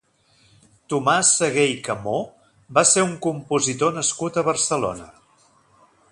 Tomàs Sagué i Camó va ser un compositor nascut a Barcelona.